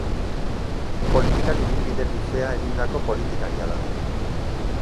Politikan ibilbide luzea egindako politikaria da.